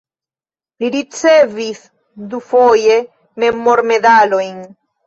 Li ricevis dufoje memormedalojn.